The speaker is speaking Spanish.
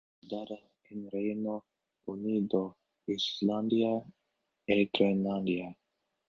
Fue rodada en Reino Unido, Islandia y Groenlandia.